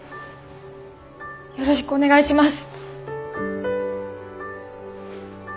よろしくお願いします！